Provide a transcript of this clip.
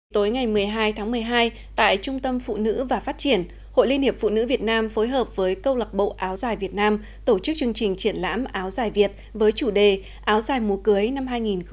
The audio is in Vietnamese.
tối ngày một mươi hai tháng một mươi hai tại trung tâm phụ nữ và phát triển hội liên hiệp phụ nữ việt nam phối hợp với câu lạc bộ áo dài việt nam tổ chức chương trình triển lãm áo dài việt với chủ đề áo dài mùa cưới năm hai nghìn một mươi chín